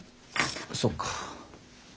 そっか。